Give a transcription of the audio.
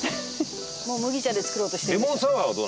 もう麦茶で作ろうとしてるでしょ。